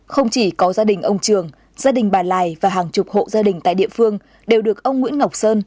không chỉ có gia đình ông trường gia đình bà lài và hàng chục hộ gia đình tại địa phương đều được ông nguyễn ngọc sơn